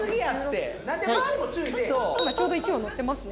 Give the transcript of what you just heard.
今ちょうど１羽乗ってますね。